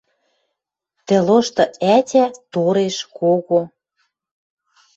Тӹ лошты ӓтя — тореш, кого —